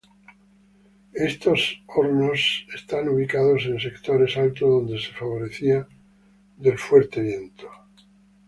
Estos hornos eran ubicados en sectores altos donde se favorecían del fuerte viento.